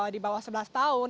di bawah sebelas tahun